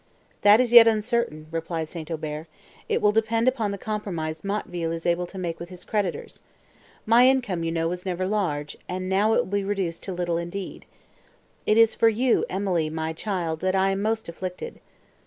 "That is yet uncertain," replied St. Aubert, "it will depend upon the compromise Motteville is able to make with his creditors. My income, you know, was never large, and now it will be reduced to little indeed! It is for you, Emily, for you, my child, that I am most afflicted."